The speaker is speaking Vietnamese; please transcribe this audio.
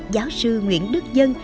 giáo sư nguyễn đức dân